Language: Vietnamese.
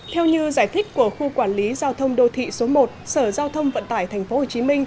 theo như giải thích của khu quản lý giao thông đô thị số một sở giao thông vận tải tp hcm